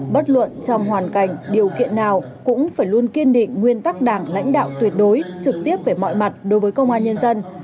bất luận trong hoàn cảnh điều kiện nào cũng phải luôn kiên định nguyên tắc đảng lãnh đạo tuyệt đối trực tiếp về mọi mặt đối với công an nhân dân